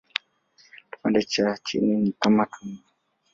Kipande cha chini ni kama tumbo.